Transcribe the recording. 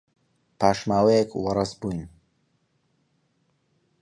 پاش ماوەیەک وەڕەس بووین.